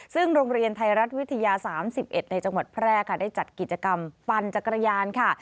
ซึ่งโรงเรียนไทยรัฐวิทยา๓๑ในจังหวัดแพร่ค่ะได้จัดกิจกรรมปั่นจักรยานค่ะ